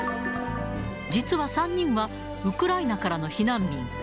実は３人は、ウクライナからの避難民。